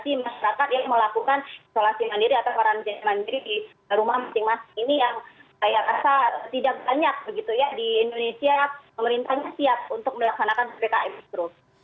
siap untuk melaksanakan serta mikro